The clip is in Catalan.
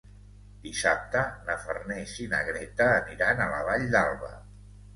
Dissabte na Farners i na Greta aniran a la Vall d'Alba.